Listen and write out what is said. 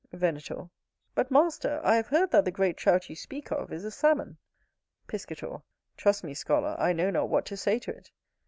Venator. But, master, I have heard that the great Trout you speak of is a Salmon. Piscator. Trust me, scholar, I know not what to say to it.